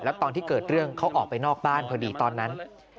แล้วตอนที่เกิดเรื่องเขาออกไปนอกบ้านพอดีตอนนั้น